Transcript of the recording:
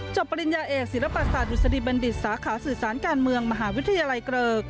ปริญญาเอกศิลปศาสดุษฎีบัณฑิตสาขาสื่อสารการเมืองมหาวิทยาลัยเกริก